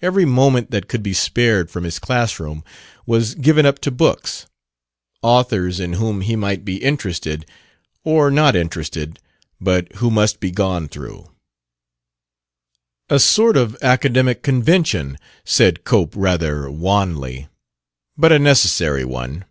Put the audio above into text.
Every moment that could be spared from his classroom was given up to books authors in whom he might be interested or not interested, but who must be gone through. "A sort of academic convention," said Cope, rather wanly; "but a necessary one."